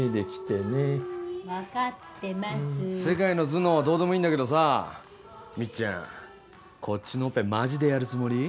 世界の頭脳はどうでもいいんだけどさミッちゃんこっちのオペマジでやるつもり？